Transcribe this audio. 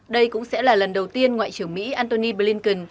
đây cũng sẽ là lần đầu tiên ngoại trưởng mỹ antony blinken